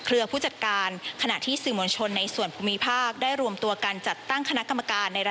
แล้วค่ะเช่นหนังสือพิมพิมพศ์ไทยรัชหนังสือพิม